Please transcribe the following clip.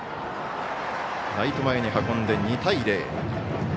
ライト前に運んで２対０。